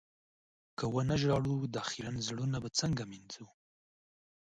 که و نه ژاړو، دا خيرن زړونه به څنګه مينځو؟